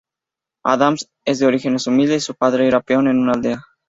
Adams era de orígenes humildes; su padre era peón en una aldea.